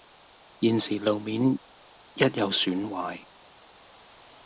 現時路面一有損壞